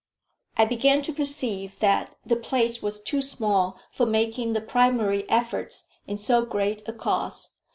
I began to perceive that the place was too small for making the primary efforts in so great a cause.